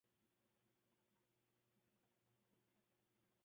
Frigia desarrolló una avanzada cultura de la Edad de Bronce.